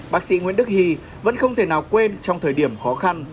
bác sĩ nguyễn đức hy vẫn không thể nào quên trong thời điểm khó khăn